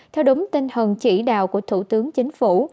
theo đúng tinh thần chỉ đạo của thủ tướng chính phủ